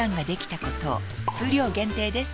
数量限定です